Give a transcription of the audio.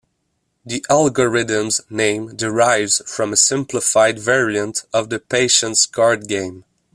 The algorithm's name derives from a simplified variant of the patience card game.